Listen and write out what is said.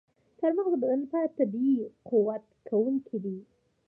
چارمغز د بدن لپاره طبیعي تقویت کوونکی دی.